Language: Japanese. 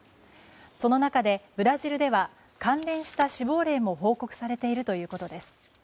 その中でブラジルでは関連した死亡例も報告されているということです。